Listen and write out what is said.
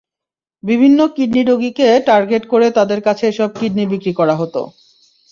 বিভিন্ন কিডনি রোগীকে টার্গেট করে তাঁদের কাছে এসব কিডনি বিক্রি করা হতো।